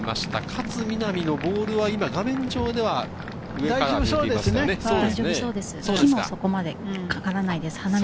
勝みなみのボールは画面上では上から。